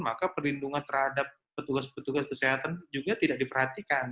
maka perlindungan terhadap petugas petugas kesehatan juga tidak diperhatikan